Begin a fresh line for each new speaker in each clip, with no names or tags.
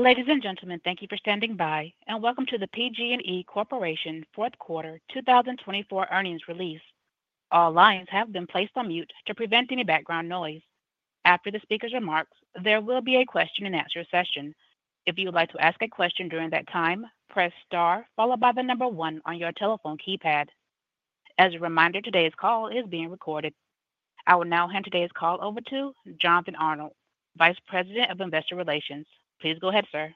Ladies and gentlemen, thank you for standing by, and welcome to the PG&E Corporation Fourth Quarter 2024 earnings release. All lines have been placed on mute to prevent any background noise. After the speaker's remarks, there will be a question-and-answer session. If you would like to ask a question during that time, press star followed by the number one on your telephone keypad. As a reminder, today's call is being recorded. I will now hand today's call over to Jonathan Arnold, Vice President of Investor Relations. Please go ahead, sir.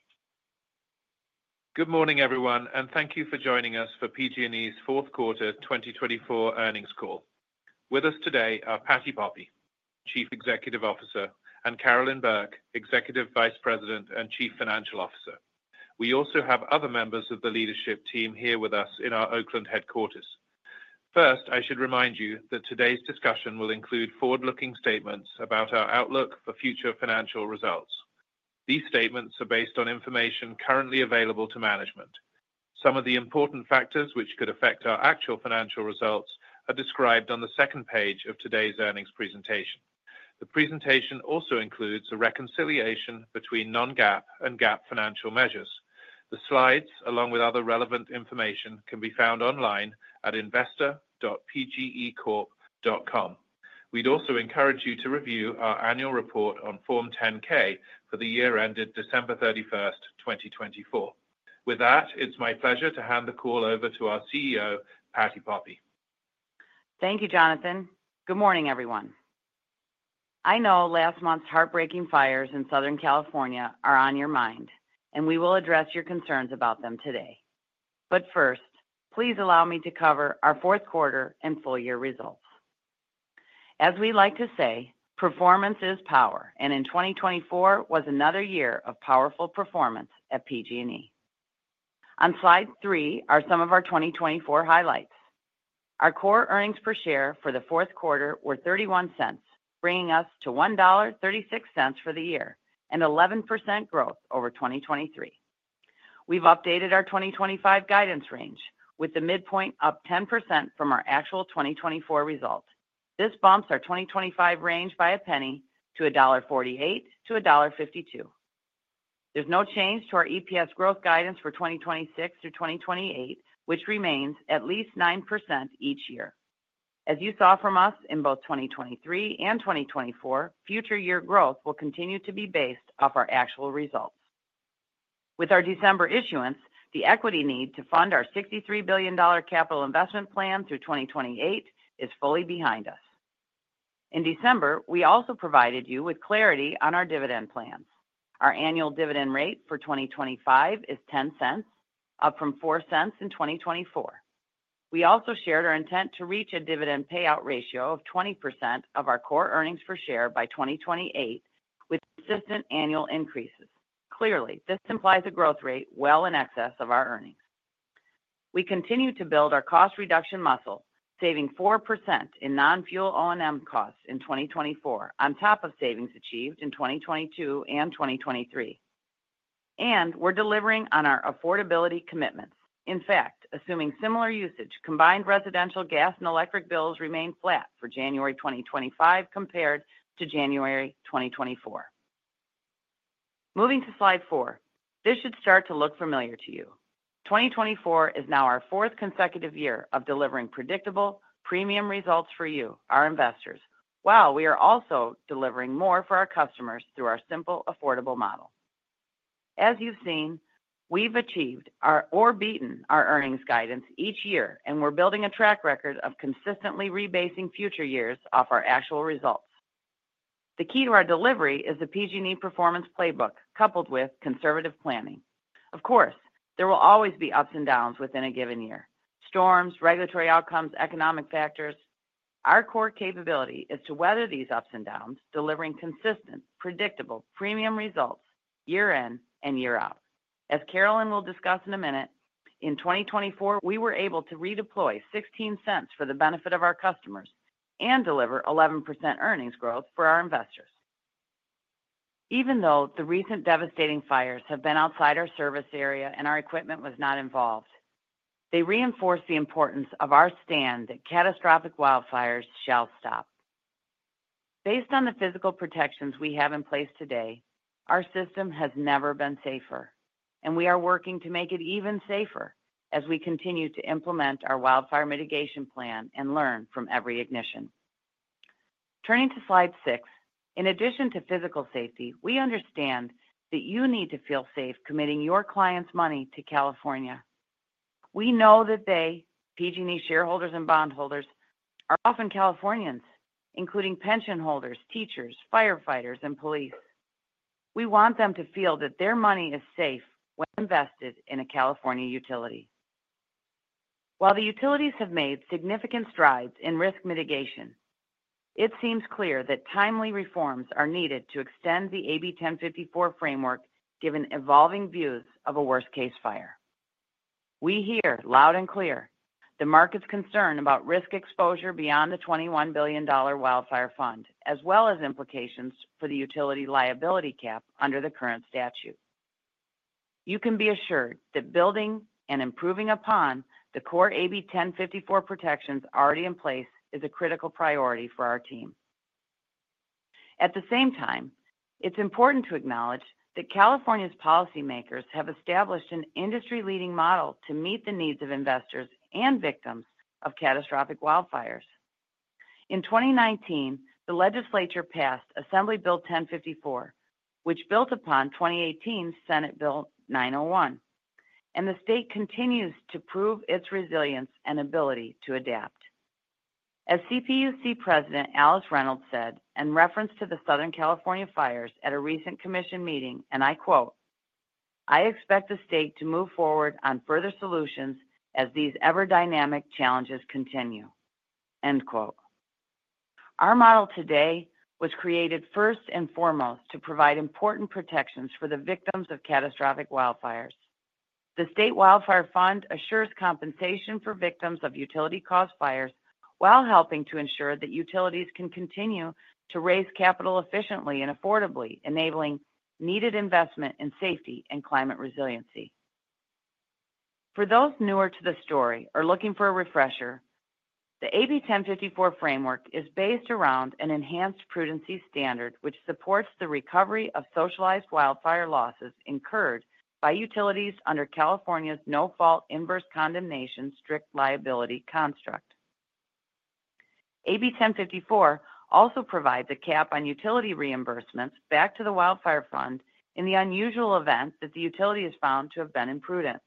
Good morning, everyone, and thank you for joining us for PG&E's Fourth Quarter 2024 earnings call. With us today are Patti Poppe, Chief Executive Officer, and Carolyn Burke, Executive Vice President and Chief Financial Officer. We also have other members of the leadership team here with us in our Oakland headquarters. First, I should remind you that today's discussion will include forward-looking statements about our outlook for future financial results. These statements are based on information currently available to management. Some of the important factors which could affect our actual financial results are described on the second page of today's earnings presentation. The presentation also includes a reconciliation between non-GAAP and GAAP financial measures. The slides, along with other relevant information, can be found online at investor.pgecorp.com. We'd also encourage you to review our annual report on Form 10-K for the year ended December 31, 2024. With that, it's my pleasure to hand the call over to our CEO, Patti Poppe.
Thank you, Jonathan. Good morning, everyone. I know last month's heartbreaking fires in Southern California are on your mind, and we will address your concerns about them today. But first, please allow me to cover our fourth quarter and full year results. As we like to say, performance is power, and in 2024 was another year of powerful performance at PG&E. On slide three are some of our 2024 highlights. Our core earnings per share for the fourth quarter were $0.31, bringing us to $1.36 for the year and 11% growth over 2023. We've updated our 2025 guidance range, with the midpoint up 10% from our actual 2024 result. This bumps our 2025 range by a penny to $1.48-$1.52. There's no change to our EPS growth guidance for 2026 through 2028, which remains at least 9% each year. As you saw from us in both 2023 and 2024, future year growth will continue to be based off our actual results. With our December issuance, the equity need to fund our $63 billion capital investment plan through 2028 is fully behind us. In December, we also provided you with clarity on our dividend plans. Our annual dividend rate for 2025 is $0.10, up from $0.04 in 2024. We also shared our intent to reach a dividend payout ratio of 20% of our core earnings per share by 2028, with consistent annual increases. Clearly, this implies a growth rate well in excess of our earnings. We continue to build our cost reduction muscle, saving 4% in non-fuel O&M costs in 2024 on top of savings achieved in 2022 and 2023. And we're delivering on our affordability commitments. In fact, assuming similar usage, combined residential gas and electric bills remain flat for January 2025 compared to January 2024. Moving to slide four, this should start to look familiar to you. 2024 is now our fourth consecutive year of delivering predictable, premium results for you, our investors, while we are also delivering more for our customers through our simple, affordable model. As you've seen, we've achieved or beaten our earnings guidance each year, and we're building a track record of consistently rebasing future years off our actual results. The key to our delivery is the PG&E Performance Playbook, coupled with conservative planning. Of course, there will always be ups and downs within a given year: storms, regulatory outcomes, economic factors. Our core capability is to weather these ups and downs, delivering consistent, predictable, premium results year in and year out. As Carolyn will discuss in a minute, in 2024, we were able to redeploy $0.16 for the benefit of our customers and deliver 11% earnings growth for our investors. Even though the recent devastating fires have been outside our service area and our equipment was not involved, they reinforce the importance of our stand that catastrophic wildfires shall stop. Based on the physical protections we have in place today, our system has never been safer, and we are working to make it even safer as we continue to implement our wildfire mitigation plan and learn from every ignition. Turning to slide six, in addition to physical safety, we understand that you need to feel safe committing your clients' money to California. We know that they, PG&E shareholders and bondholders, are often Californians, including pension holders, teachers, firefighters, and police. We want them to feel that their money is safe when invested in a California utility. While the utilities have made significant strides in risk mitigation, it seems clear that timely reforms are needed to extend the AB 1054 framework given evolving views of a worst-case fire. We hear loud and clear the market's concern about risk exposure beyond the $21 billion Wildfire Fund, as well as implications for the utility liability cap under the current statute. You can be assured that building and improving upon the core AB 1054 protections already in place is a critical priority for our team. At the same time, it's important to acknowledge that California's policymakers have established an industry-leading model to meet the needs of investors and victims of catastrophic wildfires. In 2019, the legislature passed Assembly Bill 1054, which built upon 2018 Senate Bill 901, and the state continues to prove its resilience and ability to adapt. As CPUC President Alice Reynolds said in reference to the Southern California fires at a recent commission meeting, and I quote, "I expect the state to move forward on further solutions as these ever-dynamic challenges continue." Our model today was created first and foremost to provide important protections for the victims of catastrophic wildfires. The State Wildfire Fund assures compensation for victims of utility-caused fires while helping to ensure that utilities can continue to raise capital efficiently and affordably, enabling needed investment in safety and climate resiliency. For those newer to the story or looking for a refresher, the AB 1054 framework is based around an enhanced prudency standard which supports the recovery of socialized wildfire losses incurred by utilities under California's no-fault inverse condemnation strict liability construct. AB 1054 also provides a cap on utility reimbursements back to the Wildfire Fund in the unusual event that the utility is found to have been imprudent.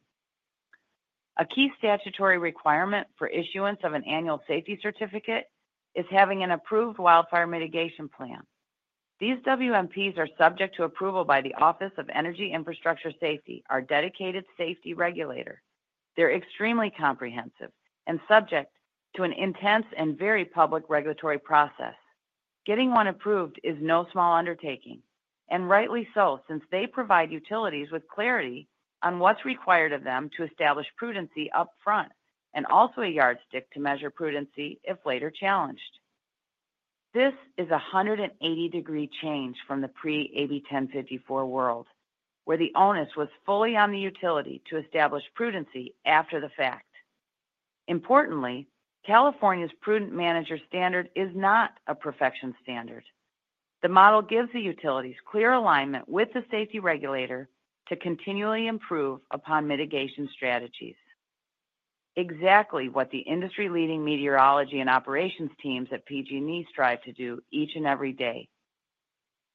A key statutory requirement for issuance of an annual safety certificate is having an approved wildfire mitigation plan. These WMPs are subject to approval by the Office of Energy Infrastructure Safety, our dedicated safety regulator. They're extremely comprehensive and subject to an intense and very public regulatory process. Getting one approved is no small undertaking, and rightly so since they provide utilities with clarity on what's required of them to establish prudency upfront and also a yardstick to measure prudency if later challenged. This is a 180-degree change from the pre-AB 1054 world, where the onus was fully on the utility to establish prudency after the fact. Importantly, California's prudent manager standard is not a perfection standard. The model gives the utilities clear alignment with the safety regulator to continually improve upon mitigation strategies. Exactly what the industry-leading meteorology and operations teams at PG&E strive to do each and every day.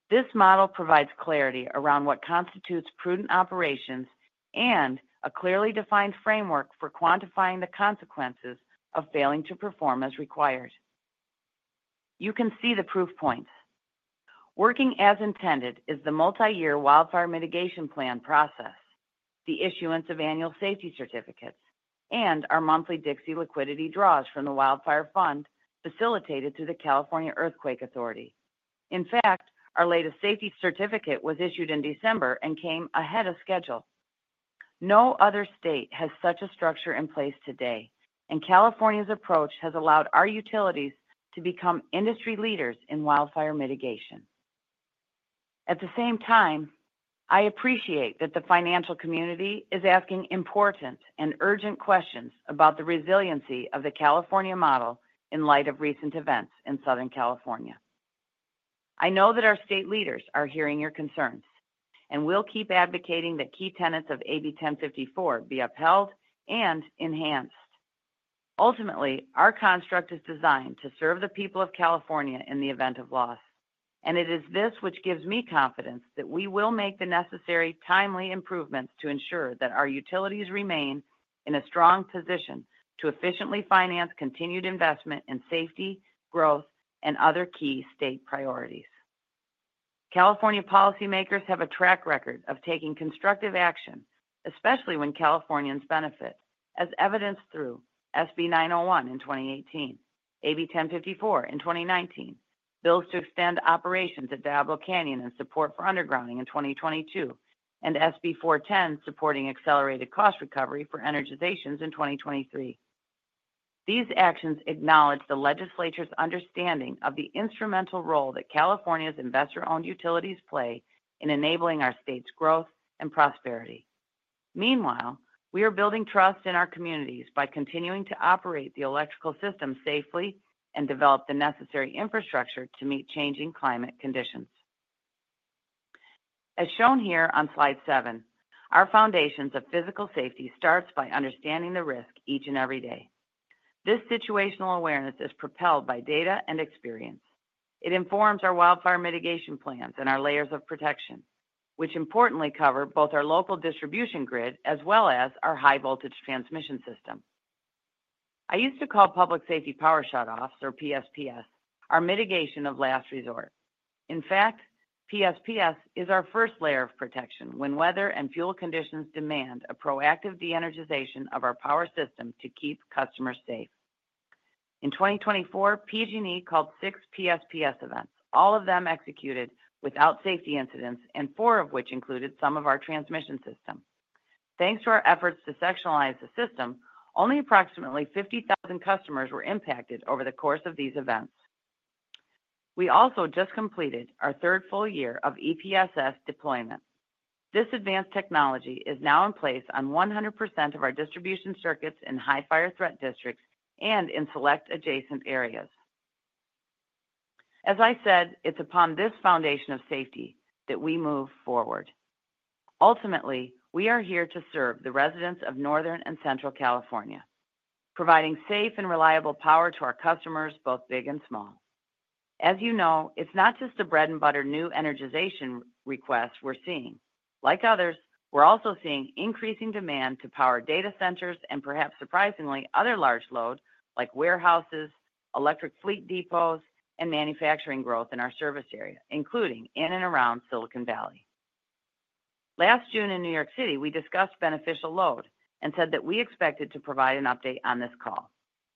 This model provides clarity around what constitutes prudent operations and a clearly defined framework for quantifying the consequences of failing to perform as required. You can see the proof points. Working as intended is the multi-year wildfire mitigation plan process, the issuance of annual safety certificates, and our monthly Dixie liquidity draws from the Wildfire Fund facilitated through the California Earthquake Authority. In fact, our latest safety certificate was issued in December and came ahead of schedule. No other state has such a structure in place today, and California's approach has allowed our utilities to become industry leaders in wildfire mitigation. At the same time, I appreciate that the financial community is asking important and urgent questions about the resiliency of the California model in light of recent events in Southern California. I know that our state leaders are hearing your concerns, and we'll keep advocating that key tenets of AB 1054 be upheld and enhanced. Ultimately, our construct is designed to serve the people of California in the event of loss, and it is this which gives me confidence that we will make the necessary timely improvements to ensure that our utilities remain in a strong position to efficiently finance continued investment in safety, growth, and other key state priorities. California policymakers have a track record of taking constructive action, especially when Californians benefit, as evidenced through SB 901 in 2018, AB 1054 in 2019, bills to extend operations at Diablo Canyon and support for undergrounding in 2022, and SB 410 supporting accelerated cost recovery for energizations in 2023. These actions acknowledge the legislature's understanding of the instrumental role that California's investor-owned utilities play in enabling our state's growth and prosperity. Meanwhile, we are building trust in our communities by continuing to operate the electrical system safely and develop the necessary infrastructure to meet changing climate conditions. As shown here on slide seven, our foundations of physical safety start by understanding the risk each and every day. This situational awareness is propelled by data and experience. It informs our wildfire mitigation plans and our layers of protection, which importantly cover both our local distribution grid as well as our high-voltage transmission system. I used to call public safety power shutoffs, or PSPS, our mitigation of last resort. In fact, PSPS is our first layer of protection when weather and fuel conditions demand a proactive de-energization of our power system to keep customers safe. In 2024, PG&E called six PSPS events, all of them executed without safety incidents, and four of which included some of our transmission system. Thanks to our efforts to sectionalize the system, only approximately 50,000 customers were impacted over the course of these events. We also just completed our third full year of EPSS deployment. This advanced technology is now in place on 100% of our distribution circuits in high-fire threat districts and in select adjacent areas. As I said, it's upon this foundation of safety that we move forward. Ultimately, we are here to serve the residents of Northern and Central California, providing safe and reliable power to our customers, both big and small. As you know, it's not just the bread-and-butter new energization requests we're seeing. Like others, we're also seeing increasing demand to power data centers and perhaps surprisingly other large load like warehouses, electric fleet depots, and manufacturing growth in our service area, including in and around Silicon Valley. Last June in New York City, we discussed beneficial load and said that we expected to provide an update on this call.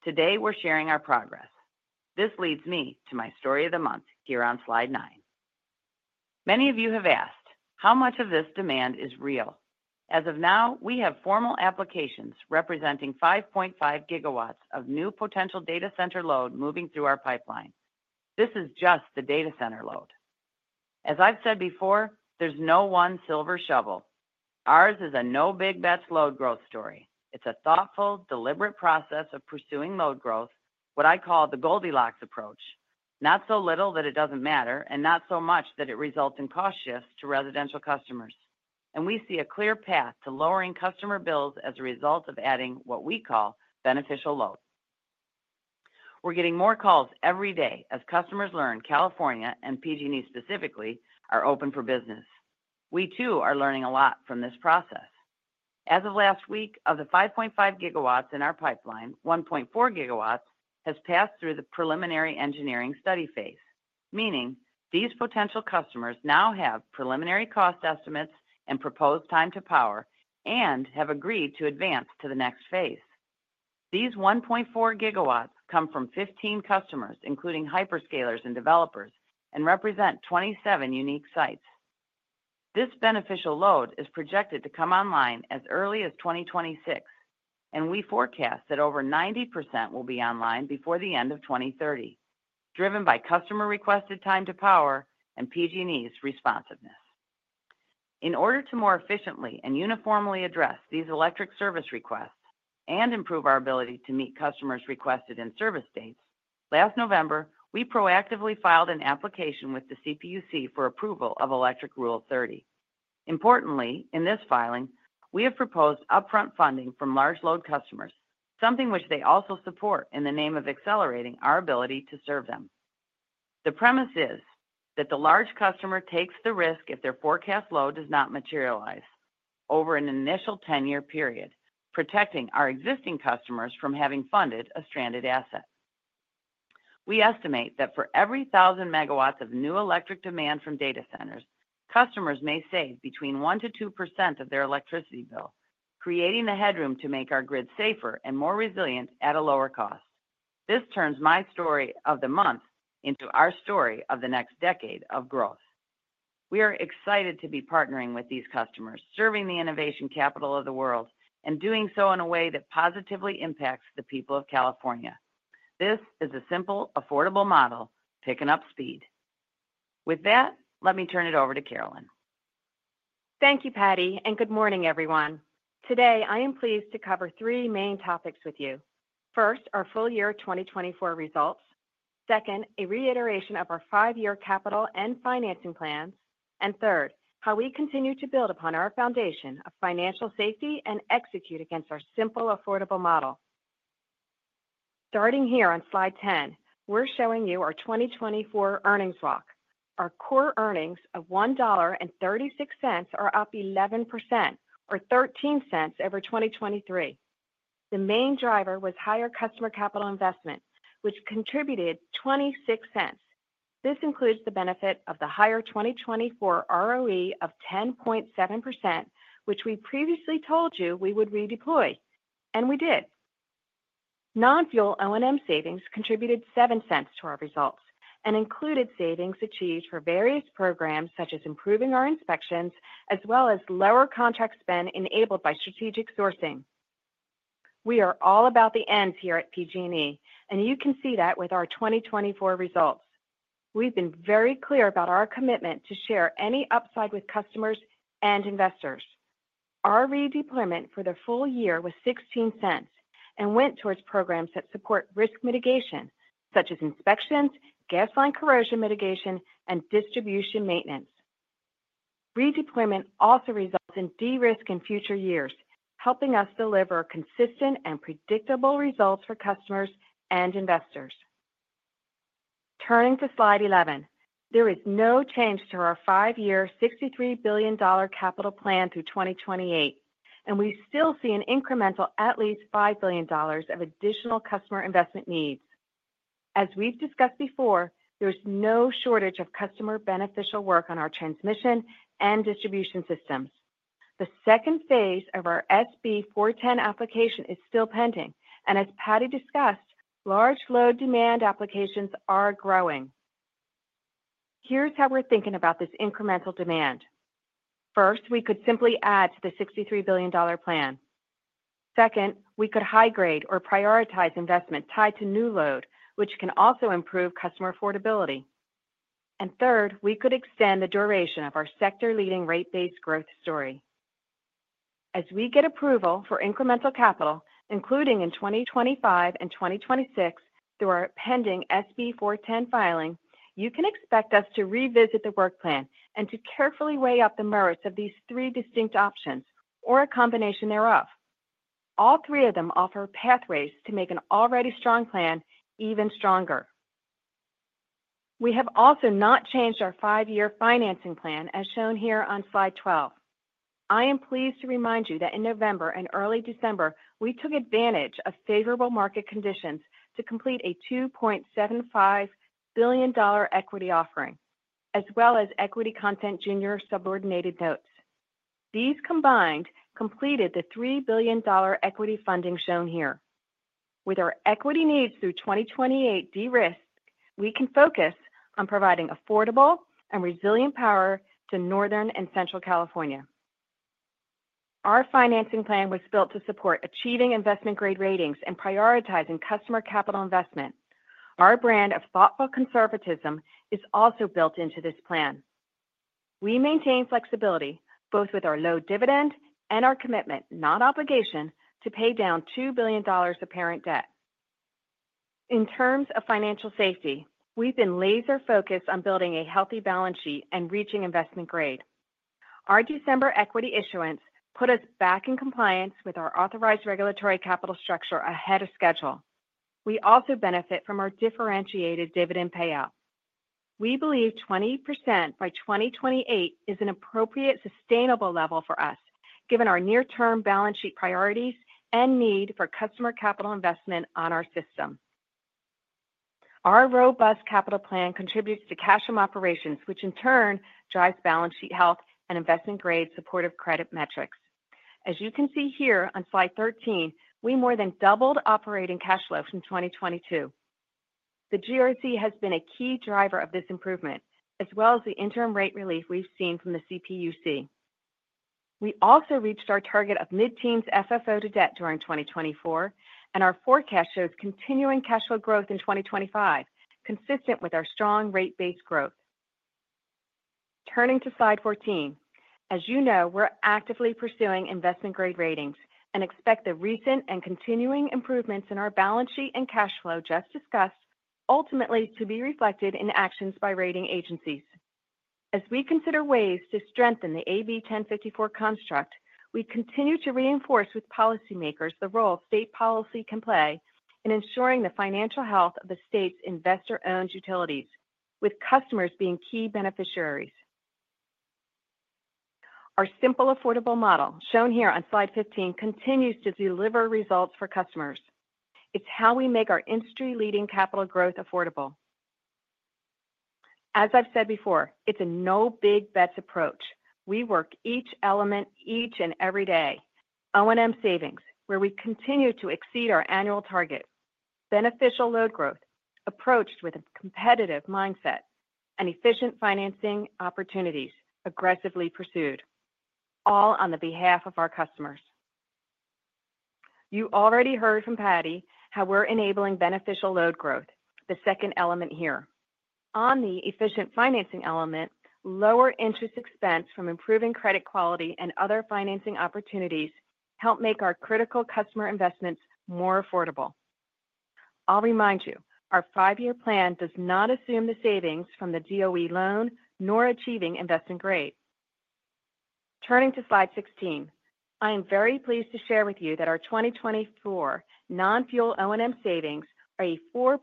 Today, we're sharing our progress. This leads me to my story of the month here on slide nine. Many of you have asked how much of this demand is real. As of now, we have formal applications representing 5.5 GW of new potential data center load moving through our pipeline. This is just the data center load. As I've said before, there's no one silver shovel. Ours is a no big bets load growth story. It's a thoughtful, deliberate process of pursuing load growth, what I call the Goldilocks approach, not so little that it doesn't matter and not so much that it results in cost shifts to residential customers. We see a clear path to lowering customer bills as a result of adding what we call beneficial load. We're getting more calls every day as customers learn California and PG&E specifically are open for business. We too are learning a lot from this process. As of last week, of the 5.5 GW in our pipeline, 1.4 GW has passed through the preliminary engineering study phase, meaning these potential customers now have preliminary cost estimates and proposed time to power and have agreed to advance to the next phase. These 1.4 GW come from 15 customers, including hyperscalers and developers, and represent 27 unique sites. This beneficial load is projected to come online as early as 2026, and we forecast that over 90% will be online before the end of 2030, driven by customer requested time to power and PG&E's responsiveness. In order to more efficiently and uniformly address these electric service requests and improve our ability to meet customers' requested and service dates, last November, we proactively filed an application with the CPUC for approval of Electric Rule 30. Importantly, in this filing, we have proposed upfront funding from large load customers, something which they also support in the name of accelerating our ability to serve them. The premise is that the large customer takes the risk if their forecast load does not materialize over an initial 10-year period, protecting our existing customers from having funded a stranded asset. We estimate that for every 1,000 megawatts of new electric demand from data centers, customers may save between 1%-2% of their electricity bill, creating the headroom to make our grid safer and more resilient at a lower cost. This turns my story of the month into our story of the next decade of growth. We are excited to be partnering with these customers, serving the innovation capital of the world, and doing so in a way that positively impacts the people of California. This is a simple, affordable model picking up speed. With that, let me turn it over to Carolyn. Thank you, Patti, and good morning, everyone. Today, I am pleased to cover three main topics with you. First, our full year 2024 results. Second, a reiteration of our five-year capital and financing plans, and third, how we continue to build upon our foundation of financial safety and execute against our simple, affordable model. Starting here on slide 10, we're showing you our 2024 earnings walk. Our core earnings of $1.36 are up 11% or $0.13 over 2023. The main driver was higher customer capital investment, which contributed $0.26. This includes the benefit of the higher 2024 ROE of 10.7%, which we previously told you we would redeploy, and we did. Non-fuel O&M savings contributed $0.07 to our results and included savings achieved for various programs such as improving our inspections, as well as lower contract spend enabled by strategic sourcing. We are all about the end here at PG&E, and you can see that with our 2024 results. We've been very clear about our commitment to share any upside with customers and investors. Our redeployment for the full year was $0.16 and went towards programs that support risk mitigation, such as inspections, gas line corrosion mitigation, and distribution maintenance. Redeployment also results in de-risk in future years, helping us deliver consistent and predictable results for customers and investors. Turning to slide 11, there is no change to our five-year $63 billion capital plan through 2028, and we still see an incremental at least $5 billion of additional customer investment needs. As we've discussed before, there's no shortage of customer beneficial work on our transmission and distribution systems. The second phase of our SB 410 application is still pending, and as Patti discussed, large load demand applications are growing. Here's how we're thinking about this incremental demand. First, we could simply add to the $63 billion plan. Second, we could high-grade or prioritize investment tied to new load, which can also improve customer affordability, and third, we could extend the duration of our sector-leading rate based growth story. As we get approval for incremental capital, including in 2025 and 2026 through our pending SB 410 filing, you can expect us to revisit the work plan and to carefully weigh up the merits of these three distinct options or a combination thereof. All three of them offer pathways to make an already strong plan even stronger. We have also not changed our five-year financing plan, as shown here on slide 12. I am pleased to remind you that in November and early December, we took advantage of favorable market conditions to complete a $2.75 billion equity offering, as well as equity content junior subordinated notes. These combined completed the $3 billion equity funding shown here. With our equity needs through 2028 de-risk, we can focus on providing affordable and resilient power to Northern and Central California. Our financing plan was built to support achieving investment-grade ratings and prioritizing customer capital investment. Our brand of thoughtful conservatism is also built into this plan. We maintain flexibility both with our low dividend and our commitment, not obligation, to pay down $2 billion of parent debt. In terms of financial safety, we've been laser-focused on building a healthy balance sheet and reaching investment grade. Our December equity issuance put us back in compliance with our authorized regulatory capital structure ahead of schedule. We also benefit from our differentiated dividend payout. We believe 20% by 2028 is an appropriate sustainable level for us, given our near-term balance sheet priorities and need for customer capital investment on our system. Our robust capital plan contributes to cash from operations, which in turn drives balance sheet health and investment-grade supportive credit metrics. As you can see here on slide 13, we more than doubled operating cash flow from 2022. The GRC has been a key driver of this improvement, as well as the interim rate relief we've seen from the CPUC. We also reached our target of mid-teens FFO to debt during 2024, and our forecast shows continuing cash flow growth in 2025, consistent with our strong rate-based growth. Turning to slide 14, as you know, we're actively pursuing investment-grade ratings and expect the recent and continuing improvements in our balance sheet and cash flow just discussed ultimately to be reflected in actions by rating agencies. As we consider ways to strengthen the AB 1054 construct, we continue to reinforce with policymakers the role state policy can play in ensuring the financial health of the state's investor-owned utilities, with customers being key beneficiaries. Our simple, affordable model, shown here on slide 15, continues to deliver results for customers. It's how we make our industry-leading capital growth affordable. As I've said before, it's a no big bets approach. We work each element each and every day. O&M savings, where we continue to exceed our annual target. Beneficial load growth, approached with a competitive mindset, and efficient financing opportunities aggressively pursued, all on behalf of our customers. You already heard from Patti how we're enabling beneficial load growth, the second element here. On the efficient financing element, lower interest expense from improving credit quality and other financing opportunities help make our critical customer investments more affordable. I'll remind you, our five-year plan does not assume the savings from the DOE loan, nor achieving investment grade. Turning to slide 16, I am very pleased to share with you that our 2024 non-fuel O&M savings are a 4%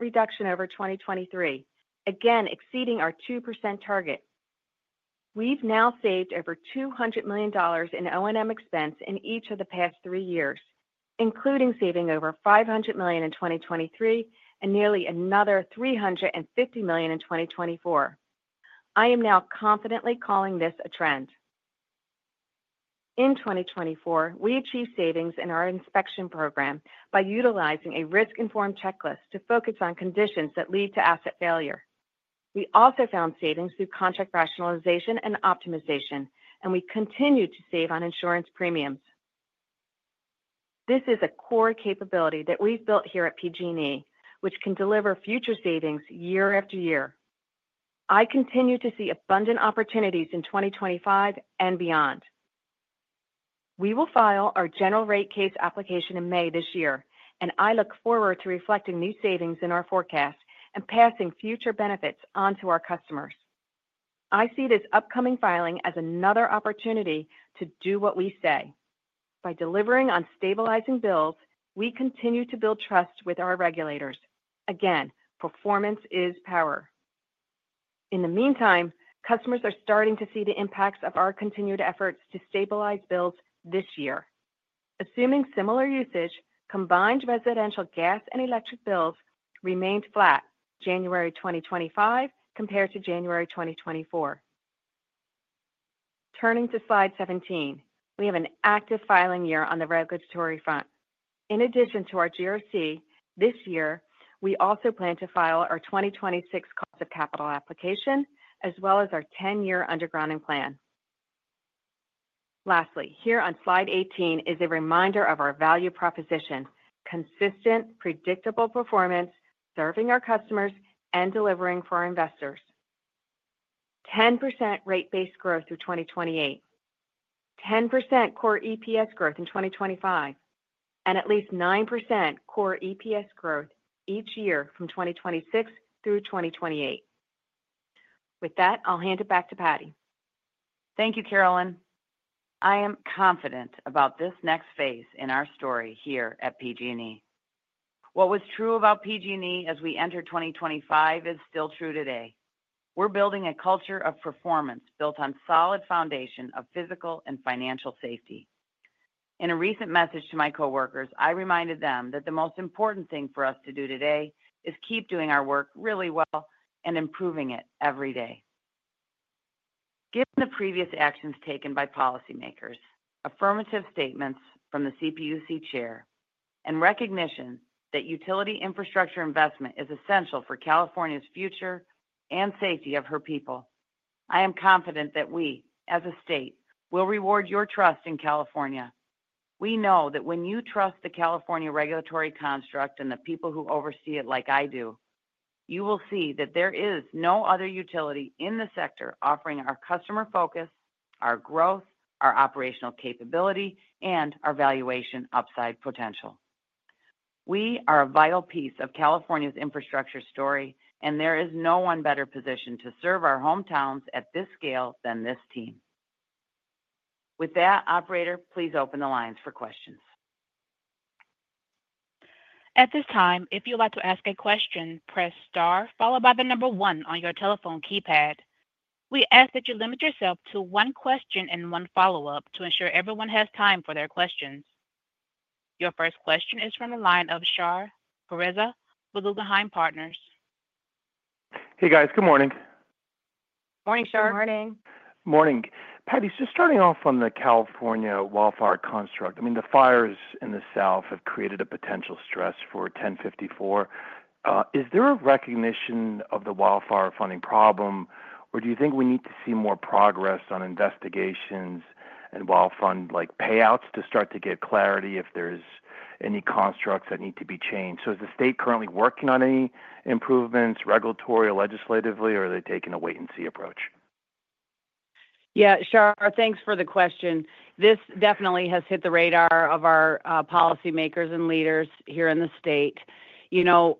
reduction over 2023, again exceeding our 2% target. We've now saved over $200 million in O&M expense in each of the past three years, including saving over $500 million in 2023 and nearly another $350 million in 2024. I am now confidently calling this a trend. In 2024, we achieved savings in our inspection program by utilizing a risk-informed checklist to focus on conditions that lead to asset failure. We also found savings through contract rationalization and optimization, and we continue to save on insurance premiums. This is a core capability that we've built here at PG&E, which can deliver future savings year after year. I continue to see abundant opportunities in 2025 and beyond. We will file our General Rate Case application in May this year, and I look forward to reflecting new savings in our forecast and passing future benefits onto our customers. I see this upcoming filing as another opportunity to do what we say. By delivering on stabilizing bills, we continue to build trust with our regulators. Again, performance is power. In the meantime, customers are starting to see the impacts of our continued efforts to stabilize bills this year. Assuming similar usage, combined residential gas and electric bills remained flat, January 2025, compared to January 2024. Turning to slide 17, we have an active filing year on the regulatory front. In addition to our GRC, this year, we also plan to file our 2026 Cost of Capital application, as well as our 10-year undergrounding plan. Lastly, here on slide 18 is a reminder of our value proposition: consistent, predictable performance, serving our customers and delivering for our investors. 10% rate-based growth through 2028. 10% core EPS growth in 2025. And at least 9% core EPS growth each year from 2026 through 2028. With that, I'll hand it back to Patti. Thank you, Carolyn. I am confident about this next phase in our story here at PG&E. What was true about PG&E as we entered 2025 is still true today. We're building a culture of performance built on a solid foundation of physical and financial safety. In a recent message to my coworkers, I reminded them that the most important thing for us to do today is keep doing our work really well and improving it every day. Given the previous actions taken by policymakers, affirmative statements from the CPUC chair, and recognition that utility infrastructure investment is essential for California's future and safety of her people, I am confident that we, as a state, will reward your trust in California. We know that when you trust the California regulatory construct and the people who oversee it like I do, you will see that there is no other utility in the sector offering our customer focus, our growth, our operational capability, and our valuation upside potential. We are a vital piece of California's infrastructure story, and there is no one better positioned to serve our hometowns at this scale than this team. With that, Operator, please open the lines for questions. At this time, if you'd like to ask a question, press star followed by the number one on your telephone keypad.
We ask that you limit yourself to one question and one follow-up to ensure everyone has time for their questions. Your first question is from the line of Shar Pourreza with Guggenheim Partners. Hey, guys. Good morning.
Morning, Shar.
Good morning.
Morning. Patti, just starting off on the California wildfire construct, I mean, the fires in the south have created a potential stress for 1054. Is there a recognition of the Wildfire Funding problem, or do you think we need to see more progress on investigations and Wildfire Fund payouts to start to get clarity if there's any constructs that need to be changed? So is the state currently working on any improvements regulatory or legislatively, or are they taking a wait-and-see approach?
Yeah, Shar, thanks for the question. This definitely has hit the radar of our policymakers and leaders here in the state. You know,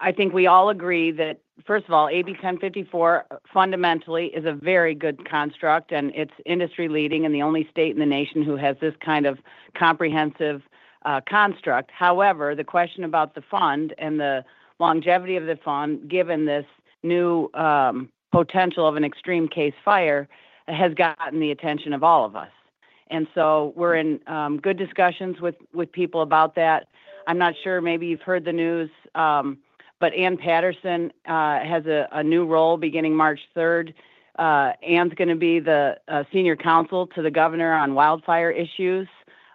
I think we all agree that, first of all, AB 1054 fundamentally is a very good construct, and it's industry-leading and the only state in the nation who has this kind of comprehensive construct. However, the question about the fund and the longevity of the fund, given this new potential of an extreme case fire, has gotten the attention of all of us. And so we're in good discussions with people about that. I'm not sure maybe you've heard the news, but Ann Patterson has a new role beginning March 3rd. Ann's going to be the senior counsel to the governor on wildfire issues.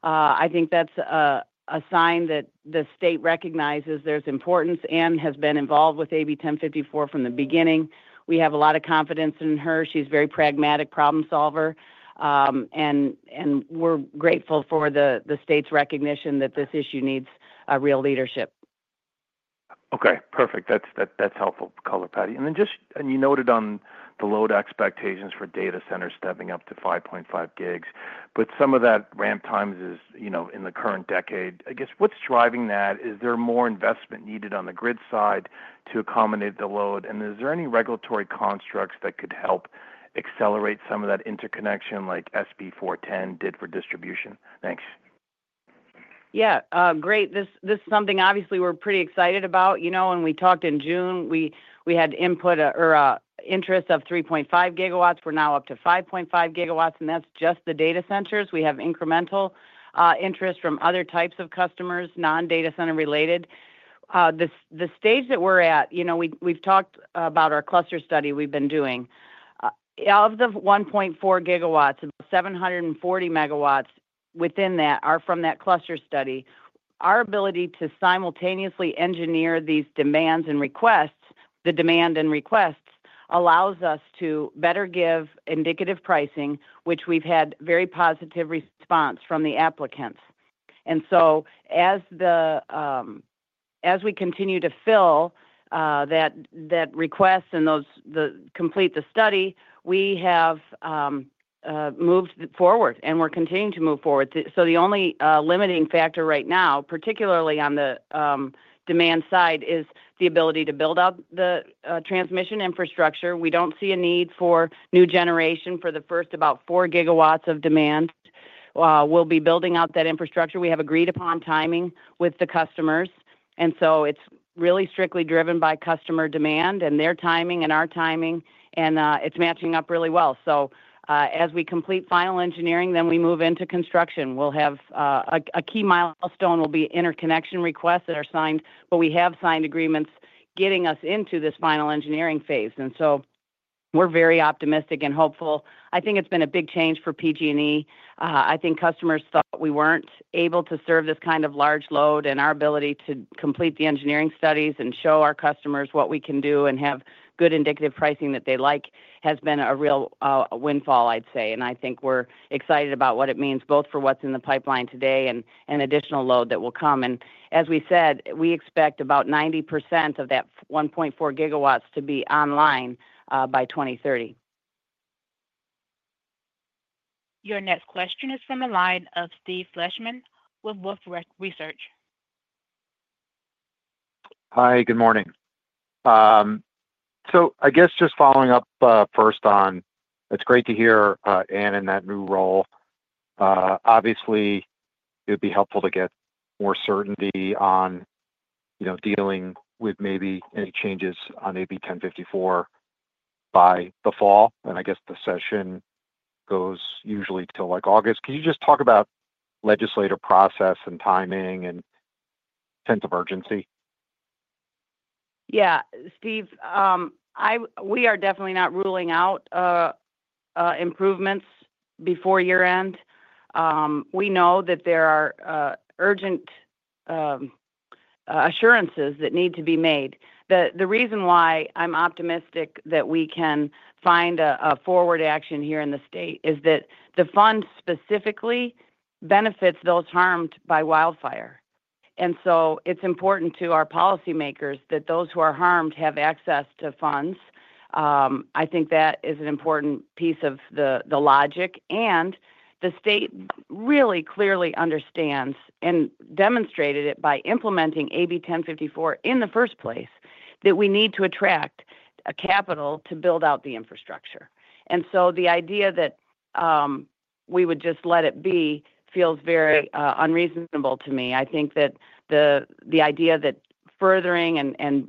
I think that's a sign that the state recognizes there's importance. Ann has been involved with AB 1054 from the beginning. We have a lot of confidence in her. She's a very pragmatic problem solver, and we're grateful for the state's recognition that this issue needs real leadership.
Okay. Perfect. That's helpful color, Patti. And then just, and you noted on the load expectations for data centers stepping up to 5.5 gigs, but some of that ramp time is, you know, in the current decade. I guess what's driving that? Is there more investment needed on the grid side to accommodate the load? And is there any regulatory constructs that could help accelerate some of that interconnection like SB 410 did for distribution? Thanks.
Yeah. Great. This is something obviously we're pretty excited about. You know, when we talked in June, we had inbound interest of 3.5 GW. We're now up to 5.5 GW, and that's just the data centers. We have incremental interest from other types of customers, non-data center related. The stage that we're at, you know, we've talked about our cluster study we've been doing. Of the 1.4 GW, about 740 megawatts within that are from that cluster study. Our ability to simultaneously engineer these demands and requests, the demand and requests, allows us to better give indicative pricing, which we've had very positive response from the applicants, and so as we continue to fill that request and complete the study, we have moved forward, and we're continuing to move forward, so the only limiting factor right now, particularly on the demand side, is the ability to build out the transmission infrastructure. We don't see a need for new generation for the first about four GW of demand. We'll be building out that infrastructure. We have agreed upon timing with the customers. And so it's really strictly driven by customer demand and their timing and our timing, and it's matching up really well. So as we complete final engineering, then we move into construction. We'll have a key milestone. It will be interconnection requests that are signed, but we have signed agreements getting us into this final engineering phase. And so we're very optimistic and hopeful. I think it's been a big change for PG&E. I think customers thought we weren't able to serve this kind of large load, and our ability to complete the engineering studies and show our customers what we can do and have good indicative pricing that they like has been a real windfall, I'd say. And I think we're excited about what it means both for what's in the pipeline today and additional load that will come. And as we said, we expect about 90% of that 1.4 GW to be online by 2030.
Your next question is from the line of Steve Fleishman with Wolfe Research.
Hi, good morning. So I guess just following up first on, it's great to hear Ann in that new role. Obviously, it would be helpful to get more certainty on, you know, dealing with maybe any changes on AB 1054 by the fall. And I guess the session goes usually till like August. Can you just talk about legislative process and timing and sense of urgency?
Yeah. Steve, we are definitely not ruling out improvements before year-end. We know that there are urgent assurances that need to be made. The reason why I'm optimistic that we can find a forward action here in the state is that the fund specifically benefits those harmed by wildfire. And so it's important to our policymakers that those who are harmed have access to funds. I think that is an important piece of the logic. And the state really clearly understands and demonstrated it by implementing AB 1054 in the first place that we need to attract capital to build out the infrastructure. And so the idea that we would just let it be feels very unreasonable to me. I think that the idea that furthering and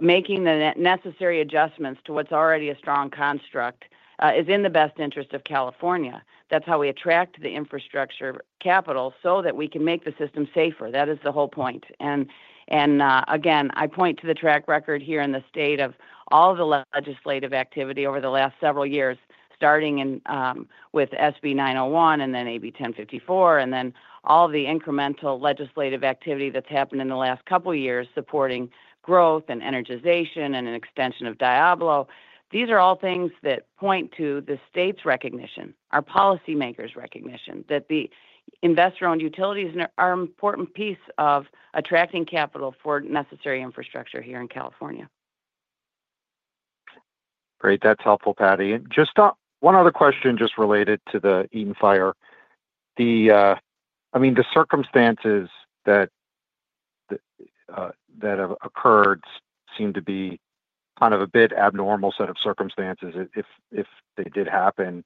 making the necessary adjustments to what's already a strong construct is in the best interest of California. That's how we attract the infrastructure capital so that we can make the system safer. That is the whole point. Again, I point to the track record here in the state of all the legislative activity over the last several years, starting with SB 901 and then AB 1054, and then all the incremental legislative activity that's happened in the last couple of years supporting growth and energization and an extension of Diablo. These are all things that point to the state's recognition, our policymakers' recognition that the investor-owned utilities are an important piece of attracting capital for necessary infrastructure here in California.
Great. That's helpful, Patti. Just one other question just related to the Eaton Fire. I mean, the circumstances that have occurred seem to be kind of a bit abnormal set of circumstances if they did happen.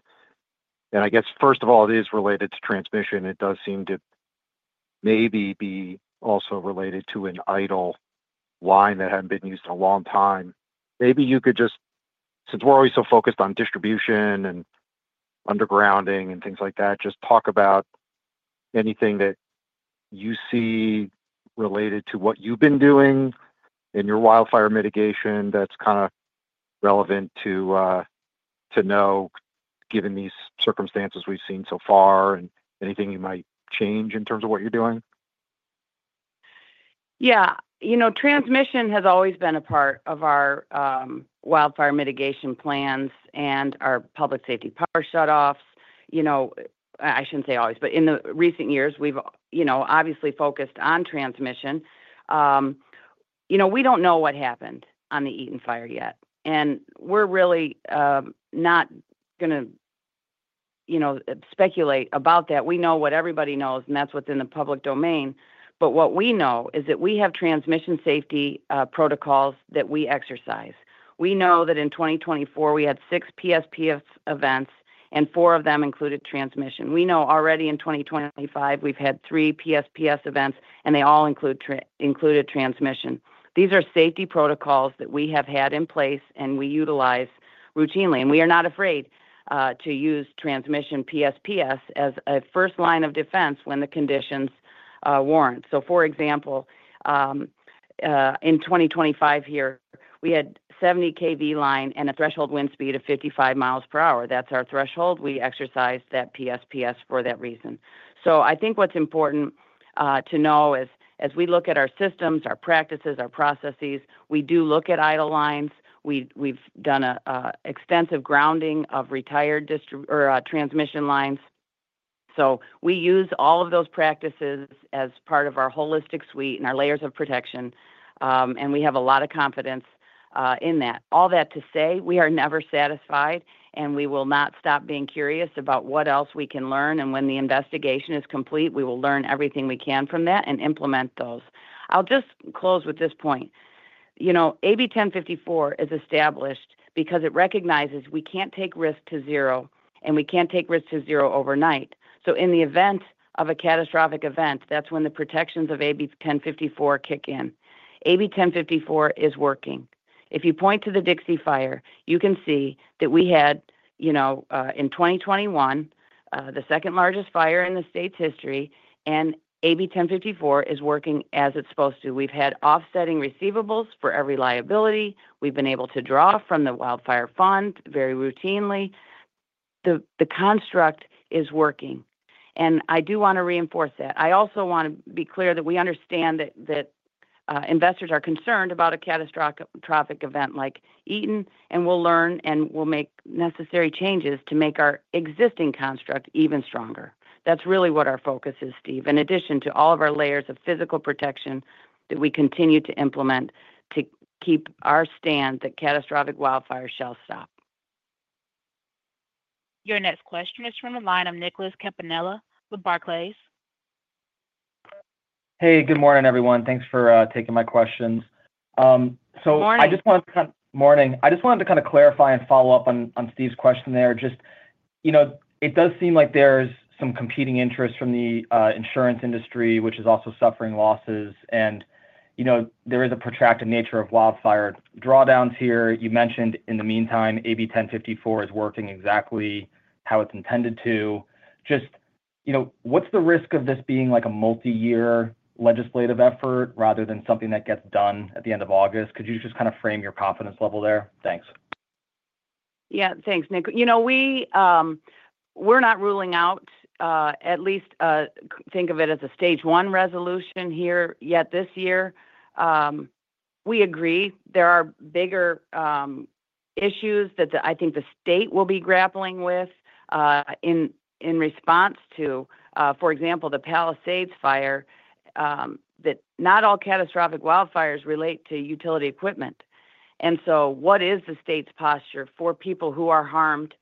I guess, first of all, it is related to transmission. It does seem to maybe be also related to an idle line that hadn't been used in a long time. Maybe you could just, since we're always so focused on distribution and undergrounding and things like that, just talk about anything that you see related to what you've been doing in your wildfire mitigation that's kind of relevant to know, given these circumstances we've seen so far, and anything you might change in terms of what you're doing?
Yeah. You know, transmission has always been a part of our wildfire mitigation plans and our public safety power shutoffs. You know, I shouldn't say always, but in the recent years, we've, you know, obviously focused on transmission. You know, we don't know what happened on the Eaton Fire yet, and we're really not going to, you know, speculate about that. We know what everybody knows, and that's within the public domain. But what we know is that we have transmission safety protocols that we exercise. We know that in 2024, we had six PSPS events, and four of them included transmission. We know already in 2025, we've had three PSPS events, and they all included transmission. These are safety protocols that we have had in place, and we utilize routinely. And we are not afraid to use transmission PSPS as a first line of defense when the conditions warrant. So, for example, in 2025 here, we had a 70 kV line and a threshold wind speed of 55 miles per hour. That's our threshold. We exercised that PSPS for that reason. So I think what's important to know is, as we look at our systems, our practices, our processes, we do look at idle lines. We've done an extensive grounding of retired transmission lines. So we use all of those practices as part of our holistic suite and our layers of protection, and we have a lot of confidence in that. All that to say, we are never satisfied, and we will not stop being curious about what else we can learn, and when the investigation is complete, we will learn everything we can from that and implement those. I'll just close with this point. You know, AB 1054 is established because it recognizes we can't take risk to zero, and we can't take risk to zero overnight. So in the event of a catastrophic event, that's when the protections of AB 1054 kick in. AB 1054 is working. If you point to the Dixie Fire, you can see that we had, you know, in 2021, the second largest fire in the state's history, and AB 1054 is working as it's supposed to. We've had offsetting receivables for every liability. We've been able to draw from the Wildfire Fund very routinely. The construct is working, and I do want to reinforce that. I also want to be clear that we understand that investors are concerned about a catastrophic event like Eaton, and we'll learn and we'll make necessary changes to make our existing construct even stronger. That's really what our focus is, Steve, in addition to all of our layers of physical protection that we continue to implement to keep our stance that catastrophic wildfire shall stop.
Your next question is from the line of Nicholas Campanella with Barclays.
Hey, good morning, everyone. Thanks for taking my questions. I just wanted to kind of clarify and follow up on Steve's question there. Just, you know, it does seem like there's some competing interest from the insurance industry, which is also suffering losses. And, you know, there is a protracted nature of wildfire drawdowns here. You mentioned in the meantime, AB 1054 is working exactly how it's intended to. Just, you know, what's the risk of this being like a multi-year legislative effort rather than something that gets done at the end of August? Could you just kind of frame your confidence level there? Thanks.
Yeah. Thanks, Nick. You know, we're not ruling out, at least think of it as a stage one resolution here yet this year. We agree there are bigger issues that I think the state will be grappling with in response to, for example, the Palisades Fire, that not all catastrophic wildfires relate to utility equipment. And so what is the state's posture for people who are harmed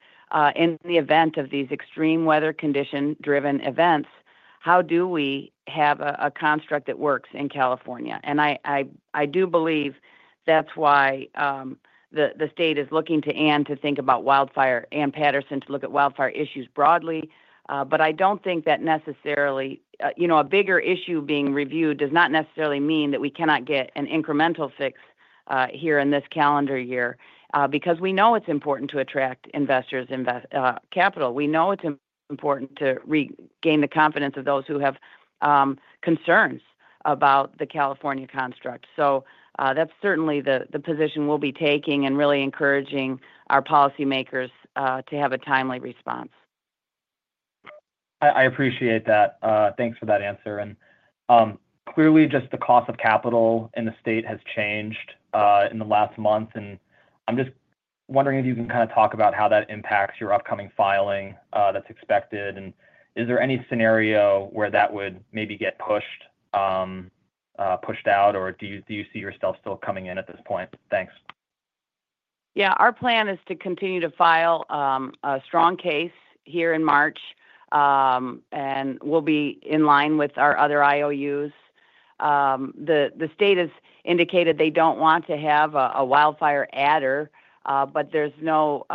in the event of these extreme weather condition-driven events? How do we have a construct that works in California? And I do believe that's why the state is looking to Ann Patterson to think about wildfire and Patterson to look at wildfire issues broadly. But I don't think that necessarily, you know, a bigger issue being reviewed does not necessarily mean that we cannot get an incremental fix here in this calendar year because we know it's important to attract investors' capital. We know it's important to regain the confidence of those who have concerns about the California construct. So that's certainly the position we'll be taking and really encouraging our policymakers to have a timely response.
I appreciate that. Thanks for that answer. And clearly, just the cost of capital in the state has changed in the last month. And I'm just wondering if you can kind of talk about how that impacts your upcoming filing that's expected. And is there any scenario where that would maybe get pushed out, or do you see yourself still coming in at this point? Thanks.
Yeah. Our plan is to continue to file a strong case here in March, and we'll be in line with our other IOUs. The state has indicated they don't want to have a wildfire adder, but there's no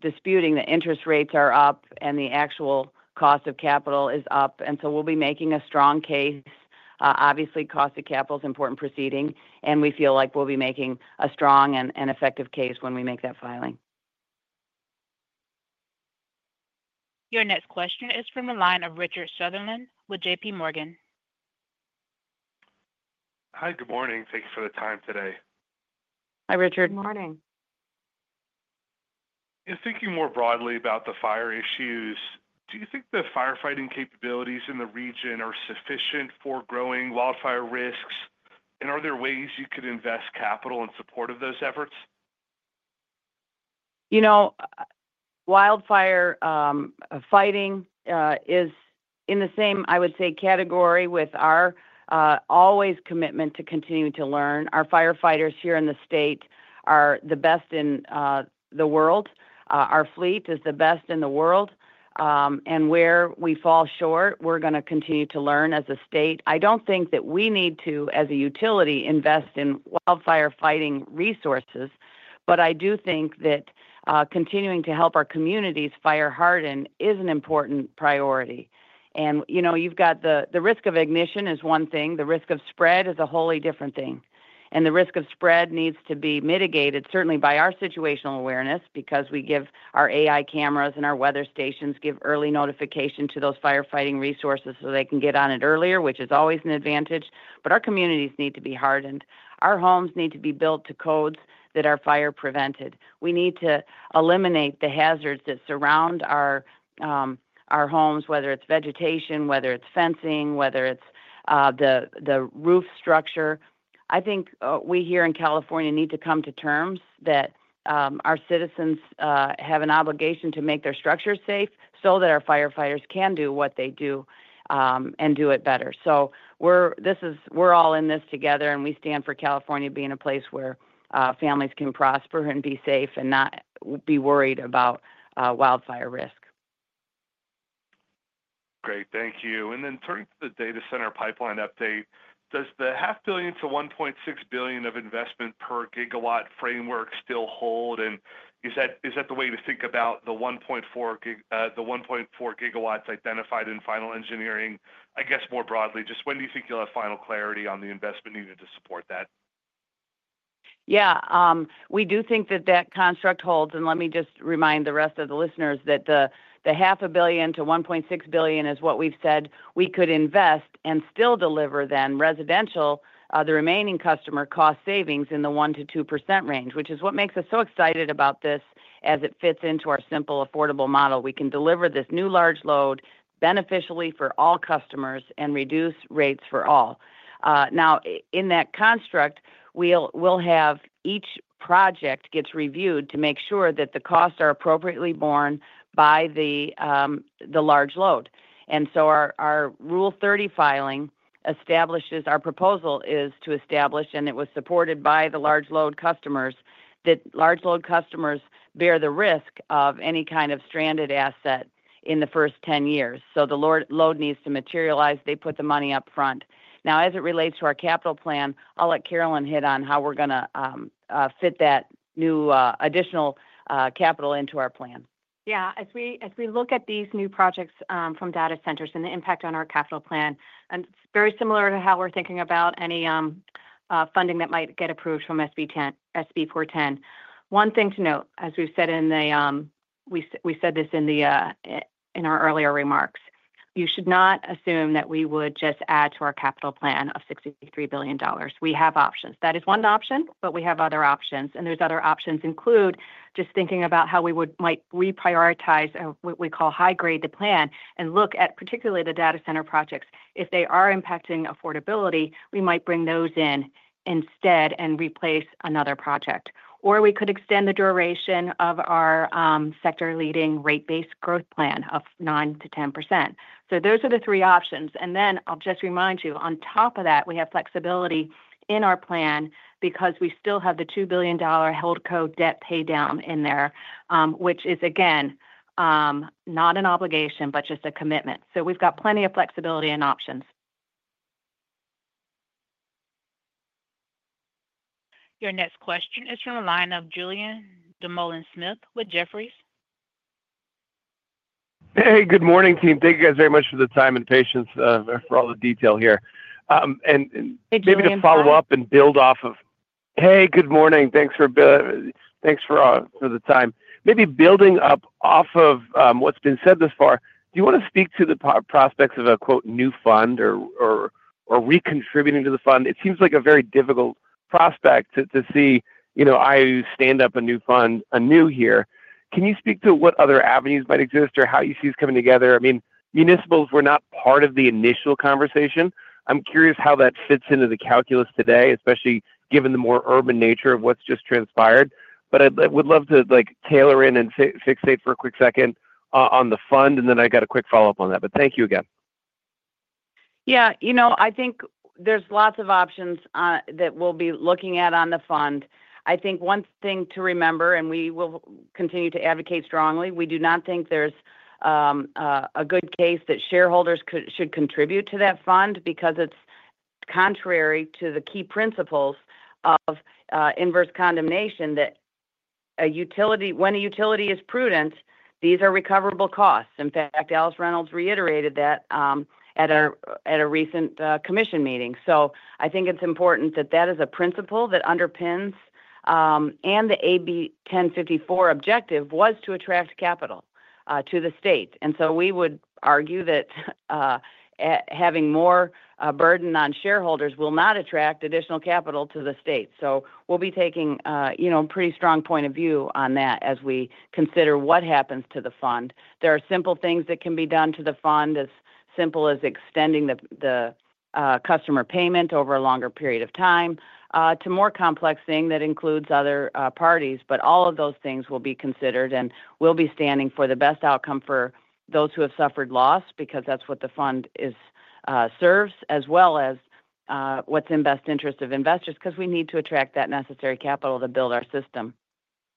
disputing that interest rates are up and the actual cost of capital is up. And so we'll be making a strong case. Obviously, cost of capital is important proceeding, and we feel like we'll be making a strong and effective case when we make that filing.
Your next question is from the line of Richard Sunderland with J.P. Morgan. Hi, good morning. Thank you for the time today.
Hi, Richard. Good morning. Yeah. Thinking more broadly about the fire issues, do you think the firefighting capabilities in the region are sufficient for growing wildfire risks? And are there ways you could invest capital in support of those efforts?
You know, wildfire fighting is in the same, I would say, category with our always commitment to continuing to learn. Our firefighters here in the state are the best in the world. Our fleet is the best in the world. And where we fall short, we're going to continue to learn as a state. I don't think that we need to, as a utility, invest in wildfire fighting resources, but I do think that continuing to help our communities fire harden is an important priority. You know, you've got the risk of ignition is one thing. The risk of spread is a wholly different thing. The risk of spread needs to be mitigated, certainly by our situational awareness, because we give our AI cameras and our weather stations give early notification to those firefighting resources so they can get on it earlier, which is always an advantage. But our communities need to be hardened. Our homes need to be built to codes that are fire prevented. We need to eliminate the hazards that surround our homes, whether it's vegetation, whether it's fencing, whether it's the roof structure. I think we here in California need to come to terms that our citizens have an obligation to make their structure safe so that our firefighters can do what they do and do it better. We're all in this together, and we stand for California being a place where families can prosper and be safe and not be worried about wildfire risk.
Great. Thank you. And then turning to the data center pipeline update, does the $0.5 billion-$1.6 billion of investment per gigawatt framework still hold? And is that the way to think about the 1.4 GW identified in final engineering? I guess more broadly, just when do you think you'll have final clarity on the investment needed to support that?
Yeah. We do think that that construct holds. Let me just remind the rest of the listeners that the $0.5 billion-$1.6 billion is what we've said we could invest and still deliver then residential, the remaining customer cost savings in the 1%-2% range, which is what makes us so excited about this as it fits into our simple, affordable model. We can deliver this new large load beneficially for all customers and reduce rates for all. Now, in that construct, we'll have each project get reviewed to make sure that the costs are appropriately borne by the large load. And so our Rule 30 filing establishes our proposal is to establish, and it was supported by the large load customers, that large load customers bear the risk of any kind of stranded asset in the first 10 years. So the load needs to materialize. They put the money upfront. Now, as it relates to our capital plan, I'll let Carolyn hit on how we're going to fit that new additional capital into our plan. Yeah. As we look at these new projects from data centers and the impact on our capital plan, and it's very similar to how we're thinking about any funding that might get approved from SB 410. One thing to note, as we've said, we said this in our earlier remarks. You should not assume that we would just add to our capital plan of $63 billion. We have options. That is one option, but we have other options. And those other options include just thinking about how we might reprioritize what we call high-grade the plan and look at particularly the data center projects. If they are impacting affordability, we might bring those in instead and replace another project. Or we could extend the duration of our sector-leading rate-based growth plan of 9%-10%. So those are the three options. And then I'll just remind you, on top of that, we have flexibility in our plan because we still have the $2 billion Holdco debt paydown in there, which is, again, not an obligation, but just a commitment. So we've got plenty of flexibility and options.
Your next question is from the line of Julian Dumoulin-Smith with Jefferies.
Hey, good morning, team. Thank you guys very much for the time and patience for all the detail here. And maybe to follow up and build off of. Hey, good morning. Thanks for the time. Maybe building up off of what's been said thus far, do you want to speak to the prospects of a "new fund" or recontributing to the fund? It seems like a very difficult prospect to see IOUs stand up a new fund anew here. Can you speak to what other avenues might exist or how you see this coming together? I mean, municipals were not part of the initial conversation. I'm curious how that fits into the calculus today, especially given the more urban nature of what's just transpired. But I would love to tailor in and fixate for a quick second on the fund, and then I've got a quick follow-up on that. But thank you again.
Yeah. You know, I think there's lots of options that we'll be looking at on the fund. I think one thing to remember, and we will continue to advocate strongly. We do not think there's a good case that shareholders should contribute to that fund because it's contrary to the key principles of inverse condemnation, that when a utility is prudent, these are recoverable costs. In fact, Alice Reynolds reiterated that at a recent commission meeting, so I think it's important that that is a principle that underpins and the AB 1054 objective was to attract capital to the state, and so we would argue that having more burden on shareholders will not attract additional capital to the state, so we'll be taking a pretty strong point of view on that as we consider what happens to the fund. There are simple things that can be done to the fund, as simple as extending the customer payment over a longer period of time to more complex things that include other parties, but all of those things will be considered, and we'll be standing for the best outcome for those who have suffered loss because that's what the fund serves, as well as what's in the best interest of investors because we need to attract that necessary capital to build our system,